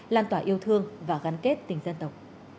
lan tỏa yêu thương và gắn kết tình dân tộc